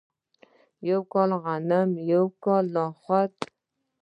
یو کال غنم یو کال نخود.